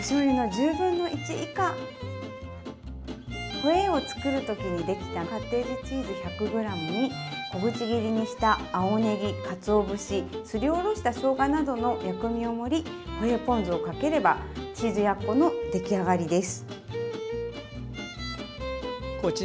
ホエーを作る時にできたカッテージチーズ１００ｇに小口切りにした青ねぎ、かつお節すりおろしたしょうがなどの薬味を盛りホエーポン酢をかければチーズやっこの出来上がりです。